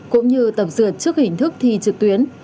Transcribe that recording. cũng như tập dượt trước hình thức thi trực tuyến